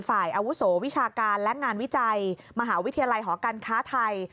อาวุโสวิชาการและงานวิจัยมหาวิทยาลัยหอการค้าไทย